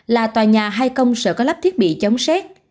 là tòa nhà hay công sở có lắp thiết bị chống xét